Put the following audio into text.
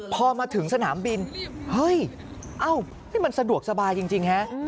พอมาถึงสนามบินเฮ้ยเอ้านี่มันสะดวกสบายจริงฮะ